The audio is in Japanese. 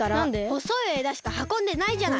ほそいえだしかはこんでないじゃない！